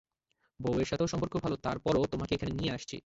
বউয়ের সাথেও সম্পর্ক ভালো, তারপরও, তোমাকে এখানে নিয়ে আসছি।